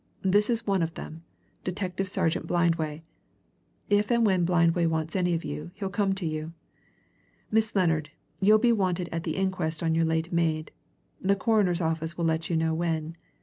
This is one of them: Detective Sergeant Blindway. If and when Blindway wants any of you, he'll come to you. Miss Lennard, you'll be wanted at the inquest on your late maid the Coroner's officer will let you know when.